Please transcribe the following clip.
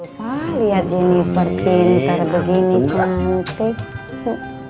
lupa liat jennifer pinter begini cantik